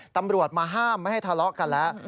ตำรวจมาห้ามไม่ให้ทะเลาะกันแล้ว